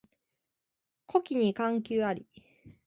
枯木に寒鴉あり